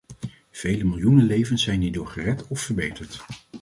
Vele miljoenen levens zijn hierdoor gered of verbeterd.